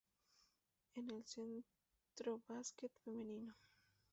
En el Centrobasket Femenino.